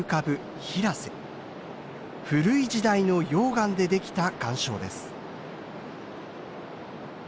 古い時代の溶岩でできた岩礁です。